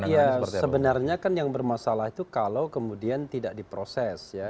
ya sebenarnya kan yang bermasalah itu kalau kemudian tidak diproses ya